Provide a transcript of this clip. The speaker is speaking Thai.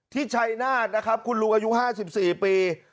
ที่ชายนาฏนะคะคุณลุงอายุ๕๔ปี